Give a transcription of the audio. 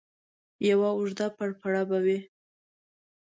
یوه اوږده پړپړه به وي.